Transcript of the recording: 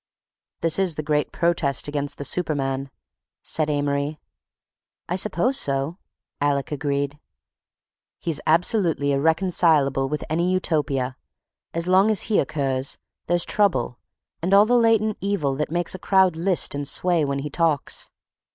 "This is the great protest against the superman," said Amory. "I suppose so," Alec agreed. "He's absolutely irreconcilable with any Utopia. As long as he occurs, there's trouble and all the latent evil that makes a crowd list and sway when he talks."